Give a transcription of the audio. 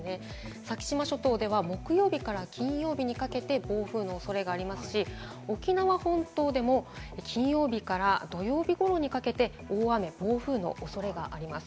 先島諸島では木曜日から金曜日にかけて暴風のおそれがありますし、沖縄本島でも金曜日から土曜日ごろにかけて大雨、暴風のおそれがあります。